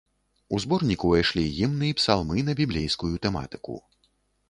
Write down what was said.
У зборнік увайшлі гімны і псалмы на біблейскую тэматыку.